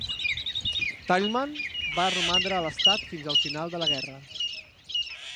Tallman va romandre a l'estat fins al final de la guerra.